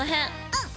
うん。